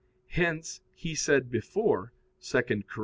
Hence he said before (2 Cor.